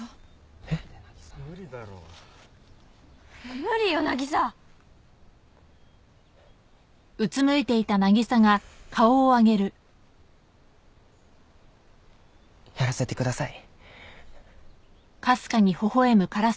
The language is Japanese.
無理だろう無理よ渚やらせてください